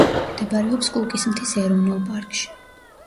მდებარეობს კუკის მთის ეროვნულ პარკში.